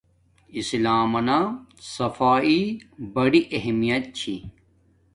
اسلام منا صفاݷݵ بڑی اہمیت چھی